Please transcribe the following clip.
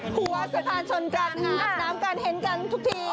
หัวสะพานชนกันหาอาบน้ำกันเห็นกันทุกที